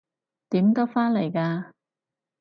點得返嚟㗎？